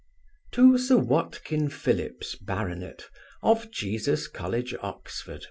To Sir WATKIN PHILLIPS, Bart. of Jesus college, Oxon.